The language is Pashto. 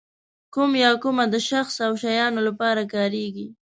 کوم یا کومه د شخص او شیانو لپاره کاریږي.